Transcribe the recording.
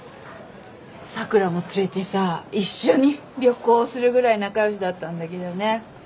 桜も連れてさ一緒に旅行するぐらい仲良しだったんだけどね。